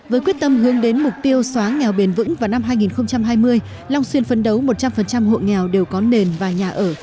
với quyết tâm hướng đến mục tiêu xóa nghèo bền vững vào năm hai nghìn hai mươi long xuyên phấn đấu một trăm linh hộ nghèo đều có nền và nhà ở